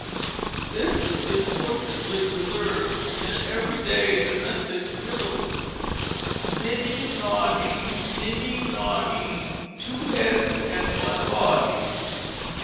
This is fortunately preserved in an every day domestic riddle: "Niddy noddy, niddy noddy, Two heads and one body."